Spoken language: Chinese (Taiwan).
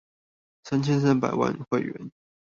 三千三百萬會員